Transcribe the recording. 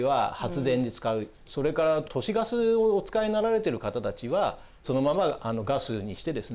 それから都市ガスをお使いになられてる方たちはそのままガスにしてですね